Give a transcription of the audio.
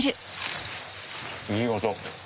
いい音！